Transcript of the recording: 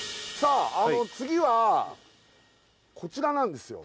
あの次はこちらなんですよ